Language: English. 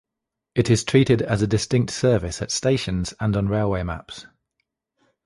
It is treated as a distinct service at stations and on railway maps.